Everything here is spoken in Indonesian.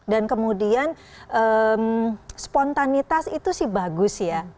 dan kemudian spontanitas itu sih bagus ya